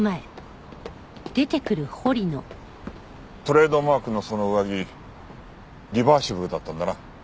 トレードマークのその上着リバーシブルだったんだな。